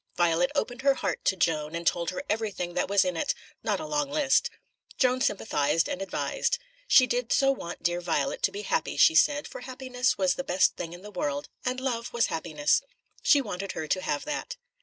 Violet opened her heart to Joan and told her everything that was in it not a long list. Joan sympathised and advised. She did so want dear Violet to be happy, she said, for happiness was the best thing in the world; and love was happiness. She wanted her to have that.